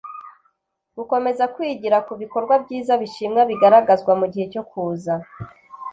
Gukomeza kwigira ku bikorwa byiza bishimwa bigaragazwa mu gihe cyokuza